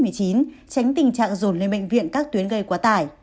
tránh tình trạng rồn lên bệnh viện các tuyến gây quá tải